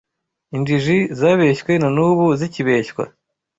injiji zabeshywe na n’ubu zikibeshywa.”